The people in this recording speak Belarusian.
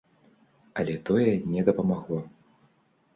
Але тое не дапамагло.